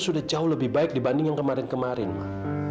sudah jauh lebih baik dibanding yang kemarin kemarin pak